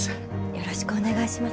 よろしくお願いします。